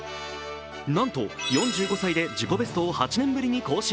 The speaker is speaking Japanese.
なんと、４５歳で自己ベストを８年ぶりに更新。